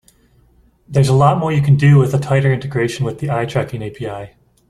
There's a lot more you can do with a tighter integration with the eye tracking API.